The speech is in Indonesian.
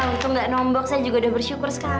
ya beruntung nggak nombok saya juga udah bersyukur sekali